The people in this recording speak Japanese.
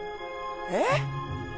えっ？